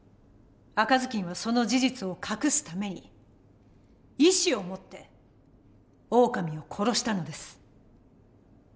赤ずきんはその事実を隠すために意思を持ってオオカミを殺したのです。